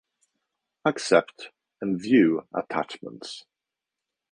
Accept and view attachments